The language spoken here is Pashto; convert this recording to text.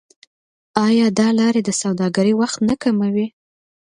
آیا دا لارې د سوداګرۍ وخت نه کموي؟